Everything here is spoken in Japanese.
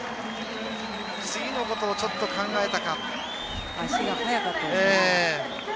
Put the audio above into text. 次のことをちょっと考えたか。